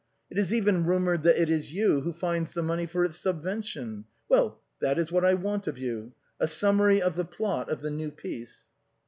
It is even rumored that it is you who finds the money for its subvention. Well, this is what I want of you, a summary of the plot of the new piece."